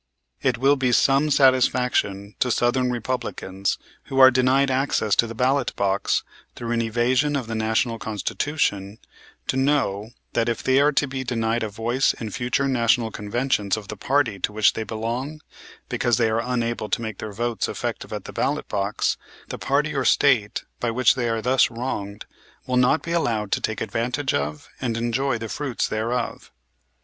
It will be some satisfaction to southern Republicans, who are denied access to the ballot box through an evasion of the National Constitution, to know that if they are to be denied a voice in future National Conventions of the party to which they belong, because they are unable to make their votes effective at the ballot box, the party or State by which they are thus wronged will not be allowed to take advantage of, and enjoy the fruits thereof.